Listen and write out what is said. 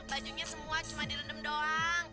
bajunya cuma ralnya direndam doang